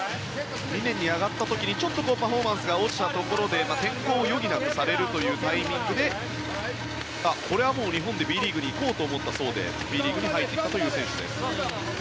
２年に上がった時にちょっとパフォーマンスが落ちたところで転校を余儀なくされるというタイミングでこれはもう日本でＢリーグに行こうと思ったそうでＢリーグに入ってきたという選手です。